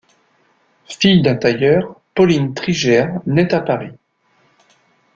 Fille d'un tailleur, Pauline Trigère nait à Paris.